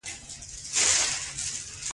هغه هغې ته د آرام دریا ګلان ډالۍ هم کړل.